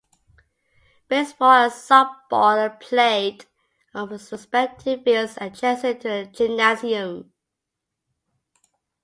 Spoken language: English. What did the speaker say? Baseball and softball are played on the respective fields adjacent to the gymnasium.